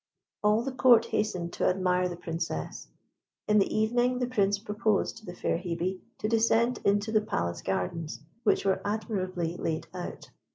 All the Court hastened to admire the Princess. In the evening the Prince proposed to the fair Hebe to descend into the palace gardens, which were admirably laid out.